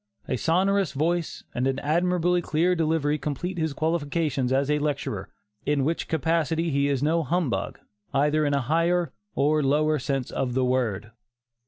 A sonorous voice and an admirably clear delivery complete his qualifications as a lecturer, in which capacity he is no 'humbug,' either in a higher or lower sense of the word."